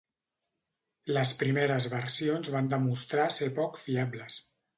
Les primeres versions van demostrar ser poc fiables.